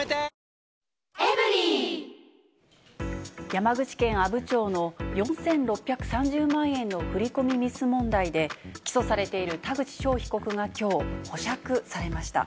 山口県阿武町の４６３０万円の振り込みミス問題で、起訴されている田口翔被告がきょう、保釈されました。